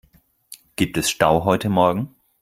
Gibt es Stau heute morgen?